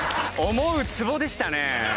思うつぼでしたね。